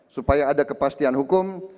supaya ada kepastian hukum